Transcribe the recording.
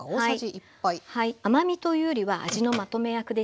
甘みというよりは味のまとめ役ですね。